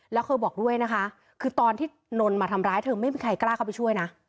แล้วเคยบอกด้วยนะคะคือตอนที่นนมาทำร้ายเธอไม่มีใครกล้าเข้าไปช่วยนะ